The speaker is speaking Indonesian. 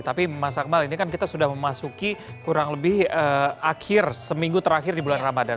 tapi mas akmal ini kan kita sudah memasuki kurang lebih akhir seminggu terakhir di bulan ramadan